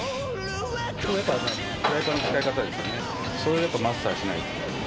でもやっぱ、フライパンの使い方ですよね、それをやっぱマスターしないと。